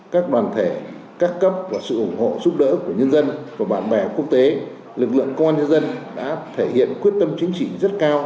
các đoàn thể các cấp và sự ủng hộ giúp đỡ của nhân dân và bạn bè quốc tế lực lượng công an nhân dân đã thể hiện quyết tâm chính trị rất cao